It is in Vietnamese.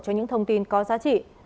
cho những thông tin có giá trị